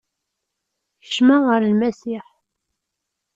Kecmeɣ ɣer Lmasiḥ.